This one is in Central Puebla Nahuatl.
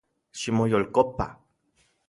Ximoyolkopa